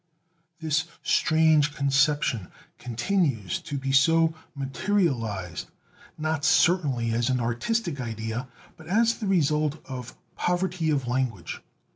This "strange conception" continues to be so materialized, not certainly as an artistic idea, but as the result of poverty of language.